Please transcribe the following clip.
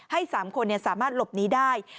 ให้สามคนสามารถหลบหนีได้